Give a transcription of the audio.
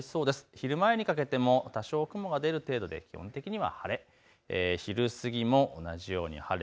昼前にかけても多少、雲が出る程度で基本的には晴れ。